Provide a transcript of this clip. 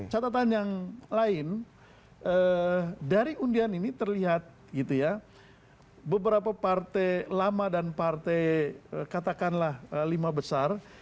catatan yang lain dari undian ini terlihat gitu ya beberapa partai lama dan partai katakanlah lima besar